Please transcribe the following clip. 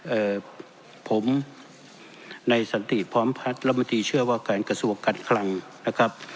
เอ่อผมในสันติพร้อมพัดและมันดีเชื่อว่าการกระซวกกัดคลังนะครับ